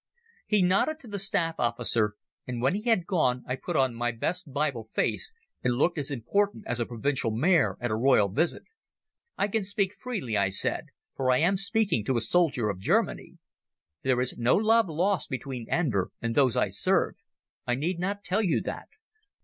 He nodded to the staff officer, and when he had gone I put on my most Bible face and looked as important as a provincial mayor at a royal visit. "I can speak freely," I said, "for I am speaking to a soldier of Germany. There is no love lost between Enver and those I serve. I need not tell you that.